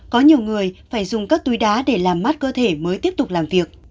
có nhiều người phải dùng các túi đá để làm mát cơ thể mới tiếp tục làm việc